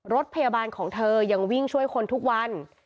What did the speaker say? รถพยาบาลของเธอยังวิ่งช่วยคนทุกวัน